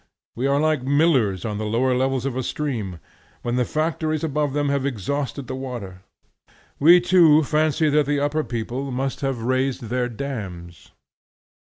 We are like millers on the lower levels of a stream, when the factories above them have exhausted the water. We too fancy that the upper people must have raised their dams.